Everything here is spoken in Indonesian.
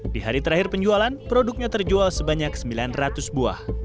di hari terakhir penjualan produknya terjual sebanyak sembilan ratus buah